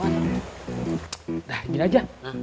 nah gini aja